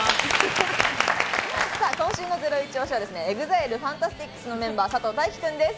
今週のゼロイチ推しはＥＸＩＬＥＦＡＮＴＡＳＴＩＣＳのメンバー佐藤大樹君です。